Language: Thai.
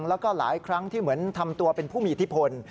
แล้วก็หลายครั้งที่เหมือนทำตัวเป็นผู้มีอิทธิพล